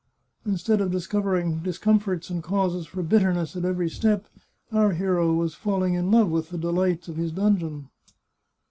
" Instead of discovering discomforts and causes for bitterness at every step, our hero was falling in love with the delights of his dungeon.